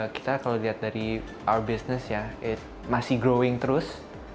kita kalau lihat dari our business ya masih growing terus